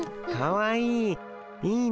かわいい。